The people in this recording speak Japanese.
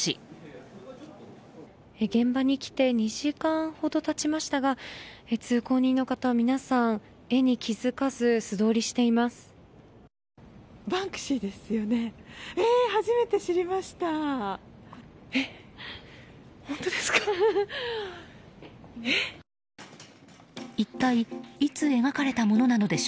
現場に来て２時間ほど経ちましたが通行人の方は皆さん絵に気付かず素通りしています。